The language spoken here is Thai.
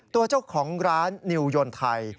ตัวเจ้าของร้านนิวยนไทย